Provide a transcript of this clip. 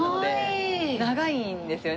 長いんですよねすごく。